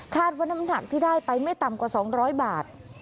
คาดว่าน้ำหนักที่ได้ไปไม่ต่ำกว่าสองร้อยบาท